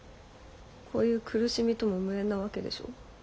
こういう苦しみとも無縁なわけでしょ？